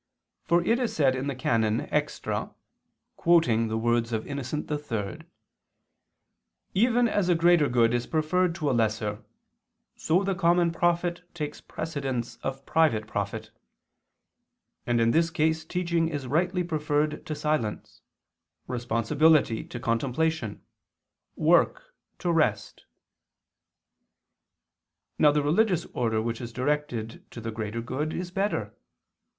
For it is said (Extra, de Regular. et Transeunt. ad Relig., cap. Licet), quoting the words of Innocent III: "Even as a greater good is preferred to a lesser, so the common profit takes precedence of private profit: and in this case teaching is rightly preferred to silence, responsibility to contemplation, work to rest." Now the religious order which is directed to the greater good is better.